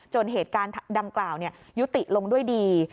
เหตุการณ์ดังกล่าวยุติลงด้วยดี